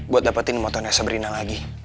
buat dapetin motornya sabrina lagi